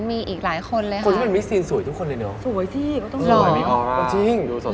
มีอีกหลายคนเลยค่ะสวยสิก็ต้องหล่อดูสดใส